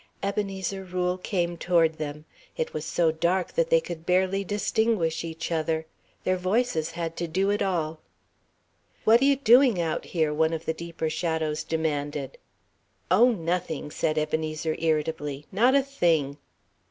Ebenezer Rule came toward them. It was so dark that they could barely distinguish each other. Their voices had to do it all. "What you doing out here?" one of the deeper shadows demanded. "Oh, nothing," said Ebenezer, irritably, "not a thing."